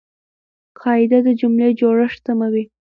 قاعده د جملې جوړښت سموي.